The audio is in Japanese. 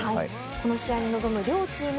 この試合に臨む両チーム